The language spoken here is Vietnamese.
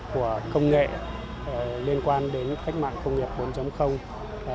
của công nghệ liên quan đến cách mạng công nghiệp bốn